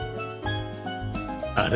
あれ？